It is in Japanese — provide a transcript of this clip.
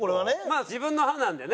まあ自分の歯なんでね。